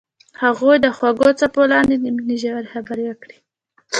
هغوی د خوږ څپو لاندې د مینې ژورې خبرې وکړې.